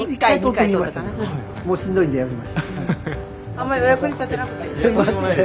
あんまりお役に立てなくてすいません。